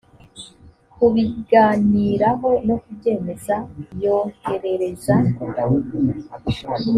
kubiganiraho no kubyemeza yoherereza